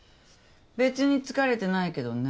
別に疲れてないけどね。